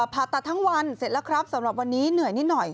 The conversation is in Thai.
ผ่าตัดทั้งวันเสร็จแล้วครับสำหรับวันนี้เหนื่อยนิดหน่อย